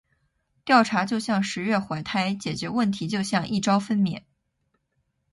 调查就像“十月怀胎”，解决问题就像“一朝分娩”。